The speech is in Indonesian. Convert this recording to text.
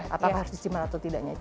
apakah harus disimpan atau tidaknya